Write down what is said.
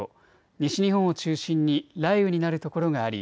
西日本を中心に雷雨になる所があり